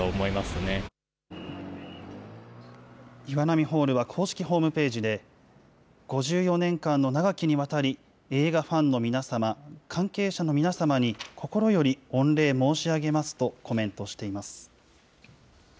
岩波ホールは公式ホームページで、５４年間の長きにわたり、映画ファンの皆様、関係者の皆様に、心より御礼申し上げますとコメントしています。